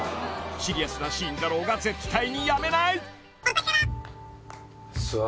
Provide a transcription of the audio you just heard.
［シリアスなシーンだろうが絶対にやめない］